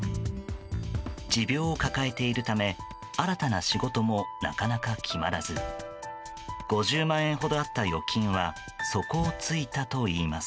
持病を抱えているため新たな仕事もなかなか決まらず５０万円ほどあった預金は底をついたといいます。